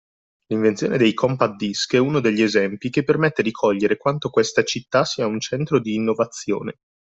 L’invenzione del Compact Disc è uno degli esempi che permette di cogliere quanto questa città sia un centro di innovazione